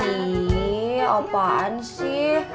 ih apaan sih